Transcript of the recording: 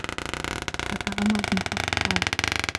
حَكَى عُمَرُ بْنُ حَفْصٍ قَالَ